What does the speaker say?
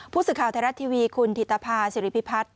ผู้สึกข่าวไทยแร็ตทีวีคุณธิตภาษณ์ศิริพิพัชร์